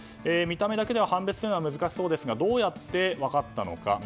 見た目だけでは判別するのが難しそうですがどうやって分かったのか。